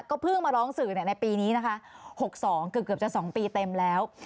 เพิ่งมาร้องสื่อในปีนี้นะคะ๖๒เกือบจะ๒ปีเต็มแล้ว